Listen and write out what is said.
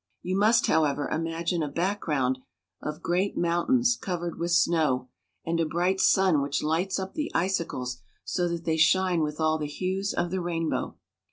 You must, however, imagine a background of great mountains covered with snow, and a bright sun which lights up the icicles so that they shine with all the hues of the rainbow.